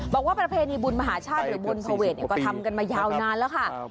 ประเพณีบุญมหาชาติหรือบุญเสวดก็ทำกันมายาวนานแล้วค่ะ